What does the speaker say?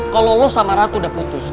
kalo lo sama rara udah putus